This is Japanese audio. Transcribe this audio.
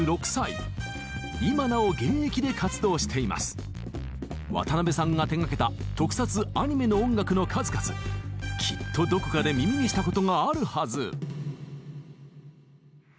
作曲家渡辺さんが手がけた特撮・アニメの音楽の数々きっとどこかで耳にしたことがあるはず。